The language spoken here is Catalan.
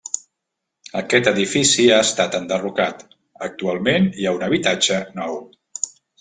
Aquest edifici ha estat enderrocat, actualment hi ha un habitatge nou.